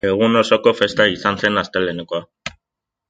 Egun osoko festa izan zen astelehenekoa.